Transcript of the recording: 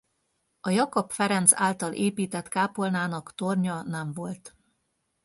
A Jakab Ferenc által épített kápolnának tornya nem volt.